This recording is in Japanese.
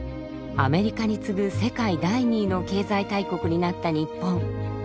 アメリカに次ぐ世界第２位の経済大国になった日本。